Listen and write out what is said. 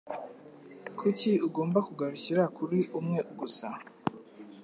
Kuki ugomba kugarukira kuri umwe gusa?